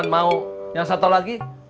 mau yang satu lagi